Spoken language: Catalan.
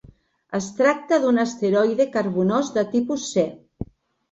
Es tracta d'un asteroide carbonós de tipus C.